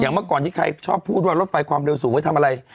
เมื่อก่อนที่ใครชอบพูดว่ารถไฟความเร็วสูงไว้ทำอะไร